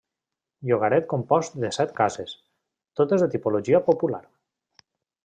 Llogaret compost de set cases, totes de tipologia popular.